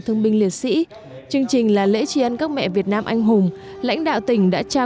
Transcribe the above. thương binh liệt sĩ chương trình là lễ tri ân các mẹ việt nam anh hùng lãnh đạo tỉnh đã trao